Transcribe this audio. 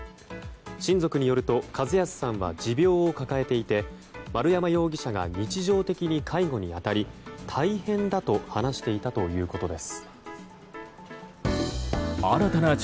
親族によると和容さんは持病を抱えていて丸山容疑者が日常的に介護に当たり大変だと話していたということです。